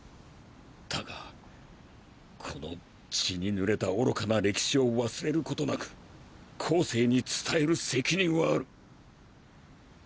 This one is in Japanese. だがこの血に濡れた愚かな歴史を忘れることなく後世に伝える責任はある。